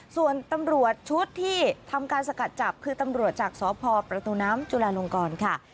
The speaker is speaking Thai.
ส่วนตำรวจชุดที่ทำการสกัดจับคือตำรวจจากสพประตูน้ำจุลาลงกรค่ะ